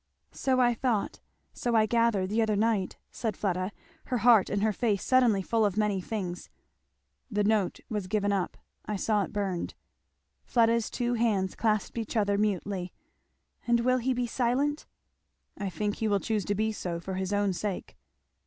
"So I thought! so I gathered the other night, " said Fleda, her heart and her face suddenly full of many things. "The note was given up I saw it burned." Fleda's two hands clasped each other mutely. "And will he be silent?" "I think he will choose to be so for his own sake."